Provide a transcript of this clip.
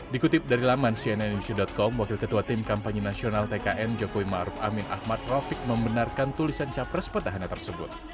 dikutip dari laman cnn news com wakil ketua tim kampanye nasional tkn jokowi ma'ruf amin ahmad rofiq membenarkan tulisan capres pertahanan tersebut